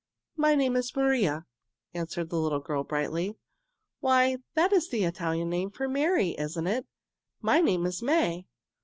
"My name is Maria," answered the little girl brightly. "Why, that is the Italian name for Mary, isn't it? My name is May."